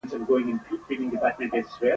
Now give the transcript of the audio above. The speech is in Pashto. هره ورځ یو نوی هدف ټاکئ.